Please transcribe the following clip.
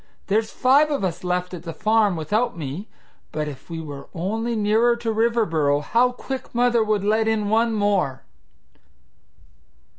There's five of us left at the farm without me, but if we were only nearer to Riverboro, how quick mother would let in one more!"